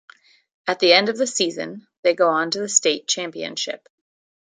At the end of the season, they go on to the state championship.